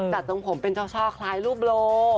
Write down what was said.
ทรงผมเป็นช่อคล้ายรูปโล